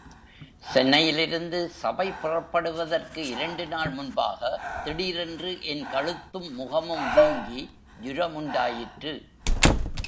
சென்னையிலிருந்து சபை புறப்படுவதற்கு இரண்டு நாள் முன்பாக, திடீரென்று என் கழுத்தும் முகமும் வீங்கி ஜுரமுண்டாயிற்று.